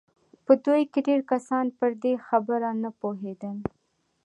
په دوی کې ډېر کسان پر دې خبره نه پوهېدل